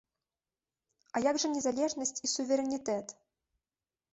А як жа незалежнасць і суверэнітэт?